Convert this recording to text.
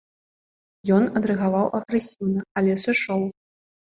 Ён адрэагаваў агрэсіўна, але сышоў.